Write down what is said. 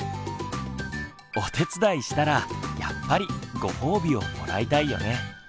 お手伝いしたらやっぱり「ご褒美」をもらいたいよね。